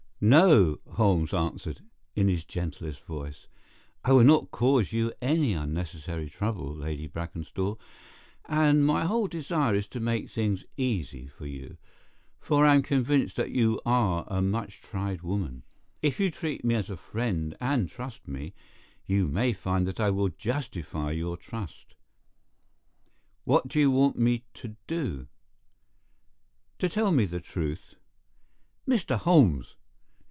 "No," Holmes answered, in his gentlest voice, "I will not cause you any unnecessary trouble, Lady Brackenstall, and my whole desire is to make things easy for you, for I am convinced that you are a much tried woman. If you will treat me as a friend and trust me, you may find that I will justify your trust." "What do you want me to do?" "To tell me the truth." "Mr. Holmes!"